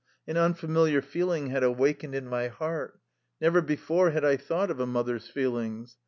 An unfamiliar feel ing had awakened in my heart. Never before had I thought of a mother's feelings.